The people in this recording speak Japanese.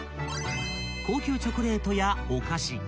［高級チョコレートやお菓子］